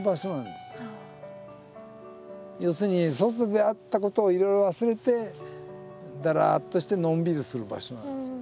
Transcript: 要するに外であったことをいろいろ忘れてだらっとしてのんびりする場所なんですよ。